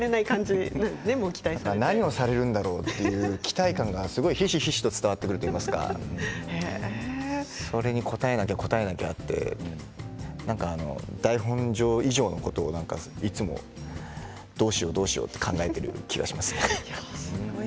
何をされるんだろうという期待感がひしひしと伝わってくるといいますかそれに応えなきゃとなんか台本上以上のことをいつもどうしようって考えている気がします。